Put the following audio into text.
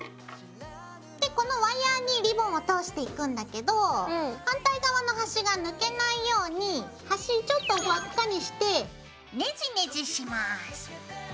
でこのワイヤーにリボンを通していくんだけど反対側のはしが抜けないようにはしちょっと輪っかにしてネジネジします。